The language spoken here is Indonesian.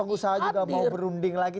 pengusaha juga mau berunding lagi